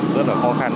rất là khó khăn